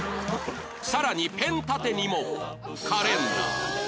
さらにペン立てにもカレンダー